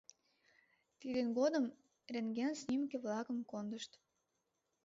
Тидын годым рентген снимке-влакым кондышт.